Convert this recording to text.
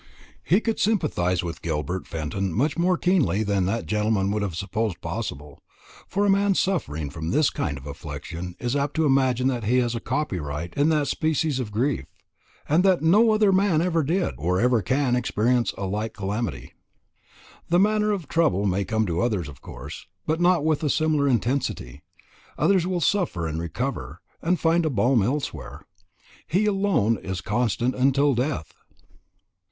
He could sympathise with Gilbert Fenton much more keenly than that gentleman would have supposed possible; for a man suffering from this kind of affliction is apt to imagine that he has a copyright in that species of grief, and that no other man ever did or ever can experience a like calamity. The same manner of trouble may come to others, of course, but not with a similar intensity. Others will suffer and recover, and find a balm elsewhere. He alone is constant until death!